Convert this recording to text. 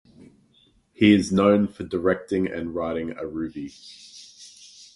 He is known for directing and writing "Aruvi".